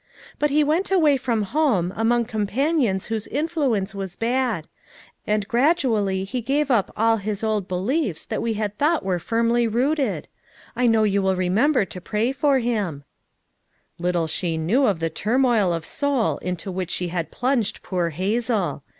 But he went away from home, among companions whose influence was had; and gradually he gave up all his old beliefs that we had thought were firmly rooted. I know you will remember to pray for hira." Little she knew of the turmoil of soul into whicli she had plunged poor Hazel.